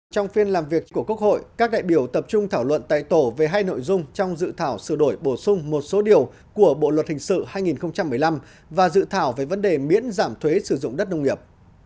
trong phiên làm việc của quốc hội các đại biểu tập trung thảo luận tại tổ về hai nội dung trong dự thảo sửa đổi bổ sung một số điều của bộ luật hình sự hai nghìn một mươi năm và dự thảo về vấn đề miễn giảm thuế sử dụng đất nông nghiệp